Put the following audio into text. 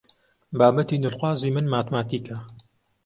بابەتی دڵخوازی من ماتماتیکە.